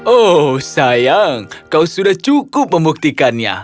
oh sayang kau sudah cukup membuktikannya